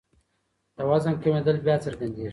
د وزن کمېدل بیا څرګندېږي.